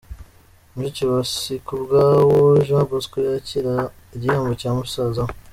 Mushiki wa Sikubwabo Jean Bosco yakira igihembo cya musaza we.